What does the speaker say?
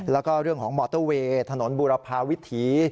แล้วก็เรื่องของมอเตอร์เวย์ถนนบุรพาวิถี